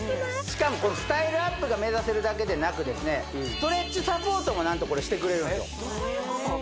しかもスタイルアップが目指せるだけでなくストレッチサポートも何とこれしてくれるんですよどういうこと？